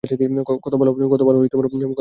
কত ভালো বন্ধু তুমি।